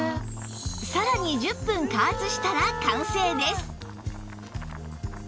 さらに１０分加圧したら完成です